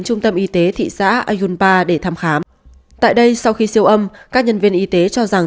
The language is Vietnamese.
trung tâm y tế thị xã ayunpa để thăm khám tại đây sau khi siêu âm các nhân viên y tế cho rằng